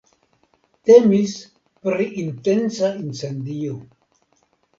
Temis pri intenca incendio.